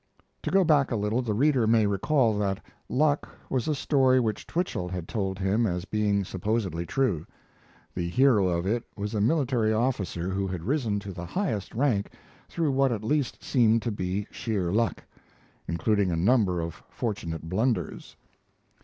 To go back a little, the reader may recall that "Luck" was a story which Twichell had told him as being supposedly true. The hero of it was a military officer who had risen to the highest rank through what at least seemed to be sheer luck, including a number of fortunate blunders.